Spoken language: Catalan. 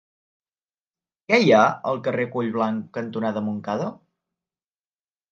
Què hi ha al carrer Collblanc cantonada Montcada?